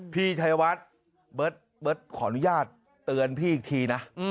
พี่ชัยวัฒน์เบิ๊ดเบิ๊ดขออนุญาตเตือนพี่อีกทีนะ